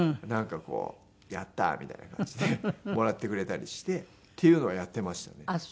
なんかこうやったー！みたいな感じでもらってくれたりしてっていうのをやってましたね。